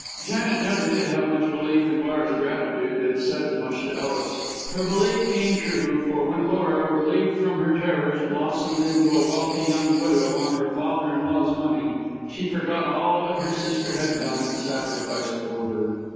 Janet never did have much belief in Laura's gratitude, and said as much to Ellis. Her belief came true, for when Laura, relieved from her terrors, blossomed into a wealthy young widow on her father in law's money, she forgot all that her sister had done and sacrificed for her.